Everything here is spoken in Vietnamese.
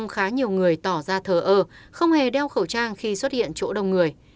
khá nhiều người tỏ ra thờ ơ không hề đeo khẩu trang khi xuất hiện chỗ đông người